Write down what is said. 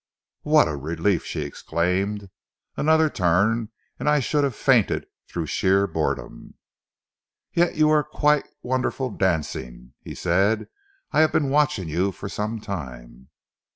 "What a relief!" she exclaimed. "Another turn and I should have fainted through sheer boredom." "Yet you are quite wonderful dancing," he said. "I have been watching you for some time."